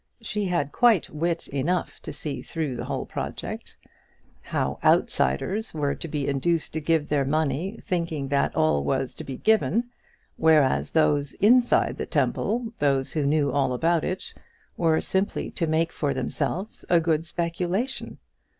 She had quite wit enough to see through the whole project; how outsiders were to be induced to give their money, thinking that all was to be given; whereas those inside the temple, those who knew all about it, were simply to make for themselves a good speculation.